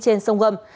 trên sông gầm